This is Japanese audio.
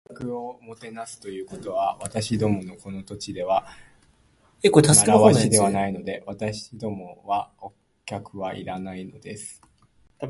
「しかし、お客をもてなすということは、私どものこの土地では慣わしではないので。私どもはお客はいらないのです」